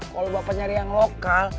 kalau bapak nyari yang lokal